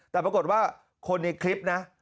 แต่ปรากฏว่าคนในคลิปนะ